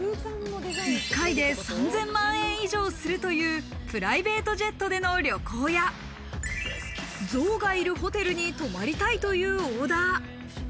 １回で３０００万円以上するというプライベートジェットでの旅行や、ゾウがいるホテルに泊まりたいというオーダー。